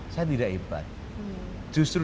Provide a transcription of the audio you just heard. saya tidak hebat justru